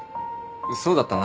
そうだったな。